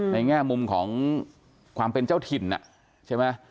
แง่มุมของความเป็นเจ้าถิ่นใช่ไหม